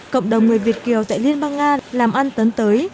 cộng đồng người việt kiều tại liên bang nga làm ăn tấn tới